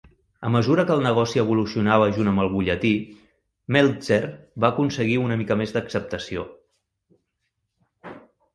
A mesura que el negoci evolucionava junt amb el butlletí, Meltzer va aconseguir una mica més d'acceptació.